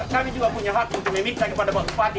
kami juga punya hak untuk memiksa kepada pak tepati